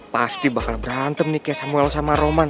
pasti bakal berantem nih kayak samuel sama roman